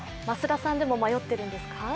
増田さんでも迷っているんですか？